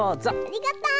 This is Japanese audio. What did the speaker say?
ありがとう！